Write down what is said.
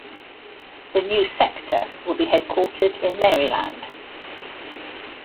The new sector will be headquartered in Maryland.